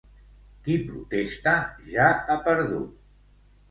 Qui protesta, ja ha perdut.